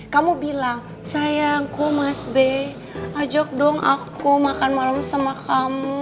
kamu bilang sayangku mas b ajak dong aku makan malam sama kamu